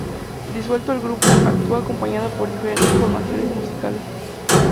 Disuelto el grupo, actúa acompañada por diferentes formaciones musicales.